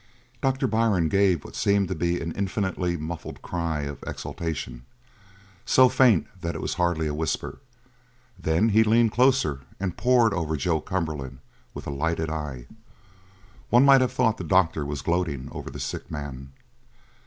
Doctor Byrne gave what seemed to be an infinitely muffled cry of exultation, so faint that it was hardly a whisper; then he leaned closer and pored over Joe Cumberland with a lighted eye. One might have thought that the doctor was gloating over the sick man.